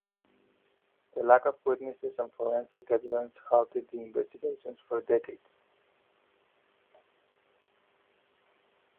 The lack of witnesses and forensic evidence halted the investigations for decades.